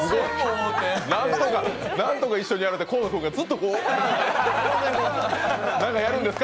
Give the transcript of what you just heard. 何とか一緒にやろうと河野君がずっとこう何かやるんですか？